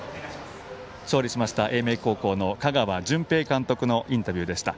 勝利しました英明高校の香川純平監督のインタビューでした。